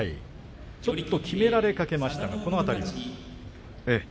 ちょっと決められかけましたが、この辺り。